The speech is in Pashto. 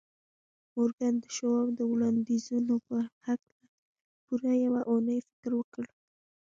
مورګان د شواب د وړانديزونو په هکله پوره يوه اونۍ فکر وکړ.